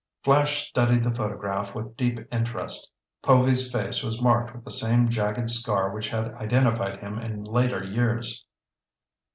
Flash studied the photograph with deep interest. Povy's face was marked with the same jagged scar which had identified him in later years.